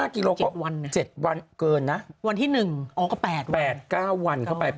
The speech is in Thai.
๑๕กิโลเมตรเกิน๗วันเกินนะวันที่๑อ๋อก็๘วัน